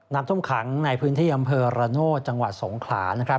น้ำท่วมขังในพื้นที่อำเภอระโนธจังหวัดสงขลานะครับ